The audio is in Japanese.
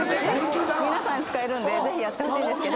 皆さん使えるんでぜひやってほしいんですけど。